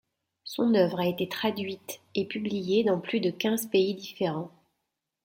Son œuvre a été traduite et publiée dans plus de quinze pays différents.